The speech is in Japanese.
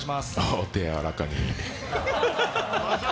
お手やわらかに。